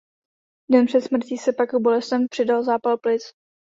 Den před smrtí se pak k bolestem přidal zápal plic.